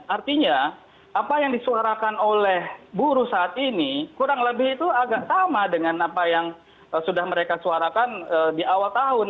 artinya apa yang disuarakan oleh buruh saat ini kurang lebih itu agak sama dengan apa yang sudah mereka suarakan di awal tahun